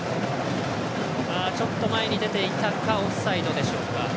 ちょっと前に出ていたかオフサイドでしょうか。